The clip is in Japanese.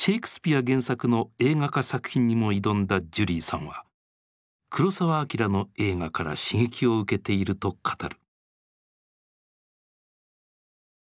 原作の映画化作品にも挑んだジュリーさんは黒澤明の映画から刺激を受けていると語る。